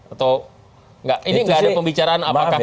atau ini nggak ada pembicaraan apakah kiai maruf